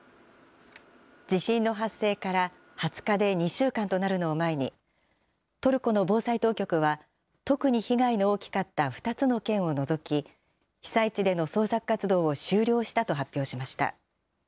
地震の発生から２０日で２週間となるのを前に、トルコの防災当局は特に被害の大きかった２つの県を除き、被災地での捜索活動を終了したと発表しました。